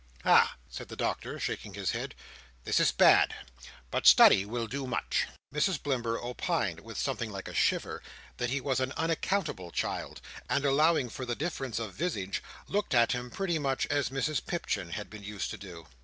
"Ha!" said the Doctor, shaking his head; "this is bad, but study will do much." Mrs Blimber opined, with something like a shiver, that he was an unaccountable child; and, allowing for the difference of visage, looked at him pretty much as Mrs Pipchin had been used to do.